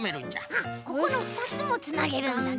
あっここのふたつもつなげるんだね。